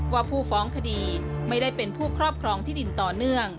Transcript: ว่าผู้ฟ้องคดีไม่ได้เป็นผู้ครอบครองที่ดินต่อเนื่อง